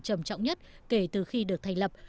trầm trọng nhất kể từ khi được thành lập